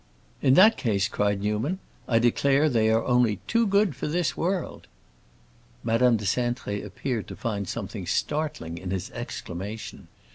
"In that case," cried Newman, "I declare they are only too good for this world!" Madame de Cintré appeared to find something startling in his exclamation.